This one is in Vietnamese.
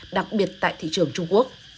đặc biệt tại thị trường trung quốc